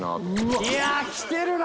いやきてるな！